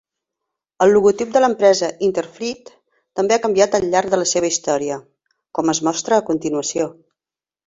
El logotip de l'empresa Interfleet també ha canviat al llarg de la seva història, com es mostra a continuació.